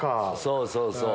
そうそうそう。